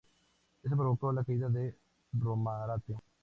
Esto provocó la caída de Romarate.